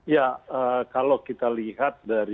ya kalau kita lihat dari